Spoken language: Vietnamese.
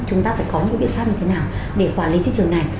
chúng ta phải có những biện pháp như thế nào để quản lý thị trường này